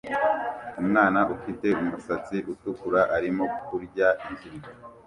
Umwana ufite umusatsi utukura arimo kurya ikintu